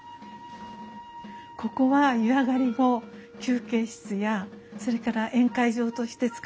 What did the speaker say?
ここは湯上がり後休憩室やそれから宴会場として使われていました。